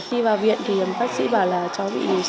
khi vào viện thì bác sĩ bảo là cho